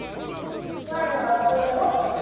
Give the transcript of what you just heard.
まえのがっこうでもってこと？